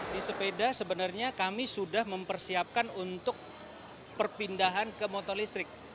di sepeda sebenarnya kami sudah mempersiapkan untuk perpindahan ke motor listrik